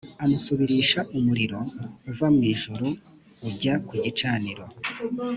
amusubirisha umuriro uva mu ijuru ujya ku gicaniro